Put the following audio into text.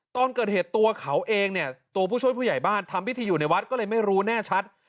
ตอนเกิดเหตุตัวเขาเองเนี่ยตัวผู้ช่วยผู้ใหญ่บ้านทำพิธีอยู่ในวัดก็เลยไม่รู้แน่ชัด